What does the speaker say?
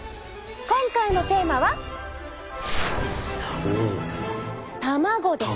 今回のテーマは「たまご」です！